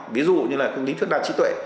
ví dụ như là hướng đến thuật đa trí tuệ